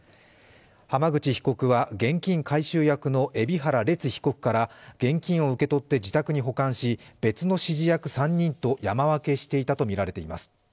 浜口被告は、現金回収役の海老原列被告から現金を受け取って自宅に保管し、別の指示役３人と山分けしていたとみられています。